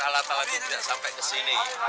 alat alatnya tidak sampai kesini